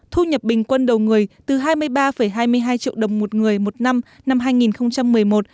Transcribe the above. thu nhập bình quân đầu người từ hai mươi ba hai mươi hai triệu đồng một người một năm năm hai nghìn một mươi một